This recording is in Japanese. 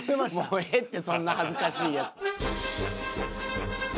もうええってそんな恥ずかしいやつ。